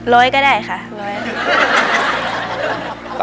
ร้อยก็ได้ค่ะ